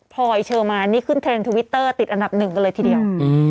พอยเชอร์มานนี่ขึ้นเทรนด์ทวิตเตอร์ติดอันดับหนึ่งกันเลยทีเดียว